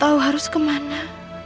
tahu harus kemana